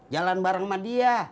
jalan bareng sama dia